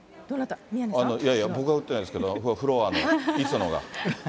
いやいや、僕は打ってないですけれども、このフロアのいそのが。